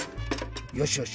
よしよし。